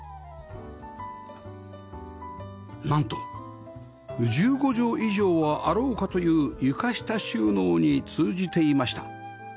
なんと１５畳以上はあろうかという床下収納に通じていました